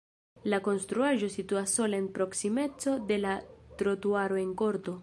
La konstruaĵo situas sola en proksimeco de la trotuaro en korto.